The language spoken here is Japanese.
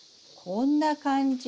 そんな感じ。